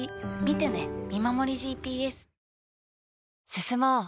進もう。